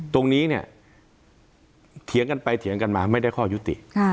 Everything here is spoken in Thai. ตรงนี้เนี่ยเถียงกันไปเถียงกันมาไม่ได้ข้อยุติ